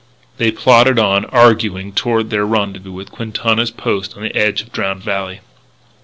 They plodded on, arguing, toward their rendezvous with Quintana's outpost on the edge of Drowned Valley.